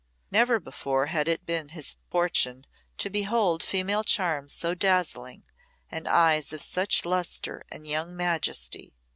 Never before had it been his fortune to behold female charms so dazzling and eyes of such lustre and young majesty.